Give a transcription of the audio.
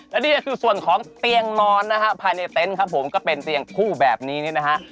และนี่ก็คือส่วนของเตียงนอนนะฮะภายในเต็นต์ครับผมก็เป็นเตียงคู่แบบนี้นี่นะฮะ